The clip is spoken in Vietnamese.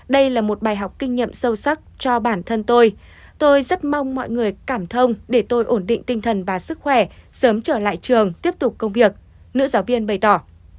đây là một bài học kinh nghiệm sâu sắc cho bản thân tôi tôi rất mong mọi người cảm thông để tôi ổn định tinh thần và sức khỏe sớm trở lại trường tiếp tục công việc nữ giáo viên bày tỏ